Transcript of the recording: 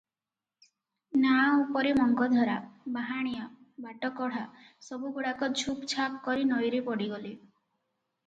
ନାଆ ଉପରେ ମଙ୍ଗଧରା, ବାହାଣିଆ, ବାଟକଢ଼ା, ସବୁଗୁଡାକ ଝୁପ୍ ଝାପ୍ କରି ନଈରେ ପଡିଗଲେ ।